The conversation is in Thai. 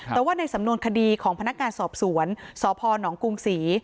แต่ว่าในสำนวนคดีของพนักงานสอบสวนสพนกรุงศรี